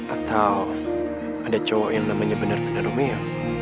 atau ada cowok yang namanya bener bener romeo